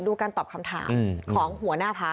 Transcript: การตอบคำถามของหัวหน้าพัก